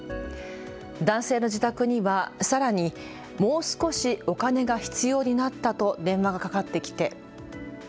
男性の自宅にはさらにもう少しお金が必要になったと電話がかかってきて。